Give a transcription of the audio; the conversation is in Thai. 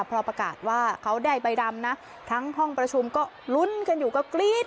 พอประกาศว่าเขาได้ใบดำนะทั้งห้องประชุมก็ลุ้นกันอยู่ก็กรี๊ด